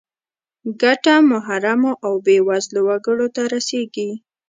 ګټه محرومو او بې وزله وګړو ته رسیږي.